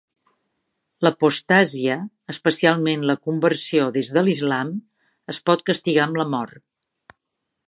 L'apostasia, especialment la conversió des de l'islam, es pot castigar amb la mort.